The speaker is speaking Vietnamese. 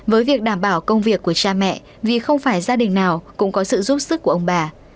với việc đảm bảo công việc của cha mẹ vì không phải gia đình nào cũng có sự giúp sức của ông bà